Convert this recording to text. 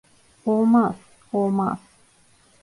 Olmaz, olmaz!